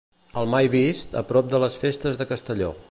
El "mai vist" a prop de les festes de Castelló.